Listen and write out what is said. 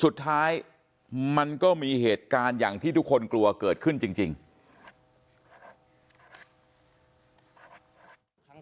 สุดท้ายมันก็มีเหตุการณ์อย่างที่ทุกคนกลัวเกิดขึ้นจริง